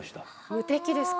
無敵ですか。